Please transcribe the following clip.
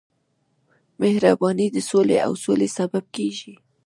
مهرباني د سولې او سولې سبب کېږي.